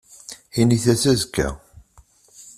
Init-as azekka.